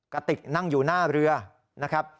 กระติกนั่งอยู่หน้าเรือนะครับ